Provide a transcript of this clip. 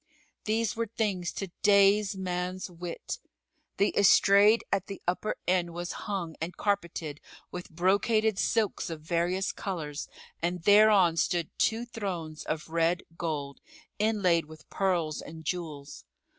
These were things to daze man's wit. The estrade at the upper end was hung and carpeted with brocaded silks of various colours and thereon stood two thrones of red gold, inlaid with pearls and jewels.